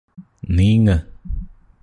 നീങ്ങ്